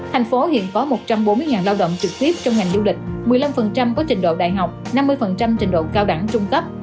thành phố hiện có một trăm bốn mươi lao động trực tiếp trong ngành du lịch một mươi năm có trình độ đại học năm mươi trình độ cao đẳng trung cấp